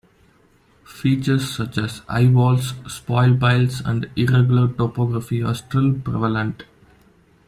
Features such as high walls, spoil piles, and irregular topography are still prevalent.